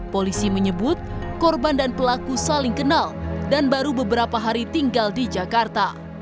polisi menyebut korban dan pelaku saling kenal dan baru beberapa hari tinggal di jakarta